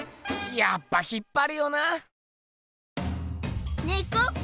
やっぱ引っぱるよな。